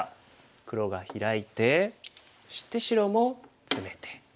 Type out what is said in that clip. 黒がヒラいてそして白もツメて。